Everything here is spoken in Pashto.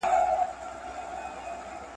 • تر تياره برخه مه تېرېږه.